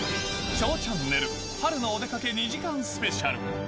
ＳＨＯＷチャンネル春のお出かけ２時間スペシャル。